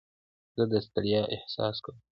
زه د ستړیا احساس کوم.